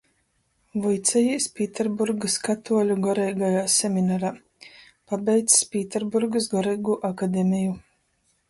Vuicejīs Pīterburgys Katuoļu goreigajā seminarā, pabeidzs Pīterburgys Goreigū akademeju,